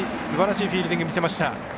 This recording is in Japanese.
すばらしいフィールディングを見せました。